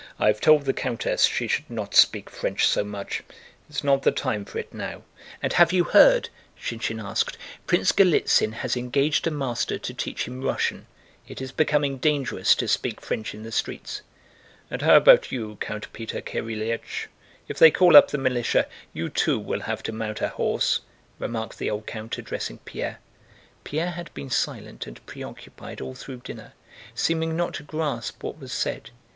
"I've told the countess she should not speak French so much. It's not the time for it now." "And have you heard?" Shinshín asked. "Prince Golítsyn has engaged a master to teach him Russian. It is becoming dangerous to speak French in the streets." "And how about you, Count Peter Kirílych? If they call up the militia, you too will have to mount a horse," remarked the old count, addressing Pierre. Pierre had been silent and preoccupied all through dinner, seeming not to grasp what was said.